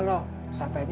lo tampar bosnya